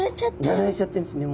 やられちゃってるんですね